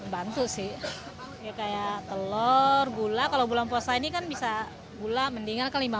bantu sih kayak telur gula kalau bulan puasa ini kan bisa gula mendingan rp lima belas itu